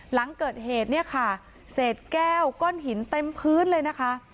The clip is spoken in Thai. หลังเกิดเหตุเนี่ยค่ะเศษแก้วก้อนหินเต็มพื้นเลยนะคะ